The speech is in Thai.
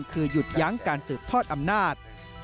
คือหยุดยั้งการสืบทอดอำนาจ